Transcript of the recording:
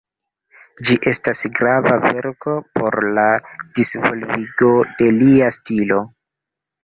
Ĝi estas grava verko por la disvolvigo de lia stilo.